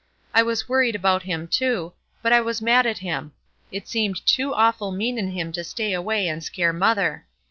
I was worried about him, too, but I was mad at him; it seemed too awful mean in him to stay away and scare mother.